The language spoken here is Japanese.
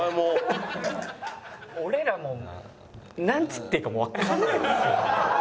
俺らもなんつっていいかもうわかんないんですよ。